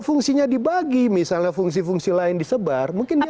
fungsinya dibagi misalnya fungsi fungsi lain disebar mungkin dia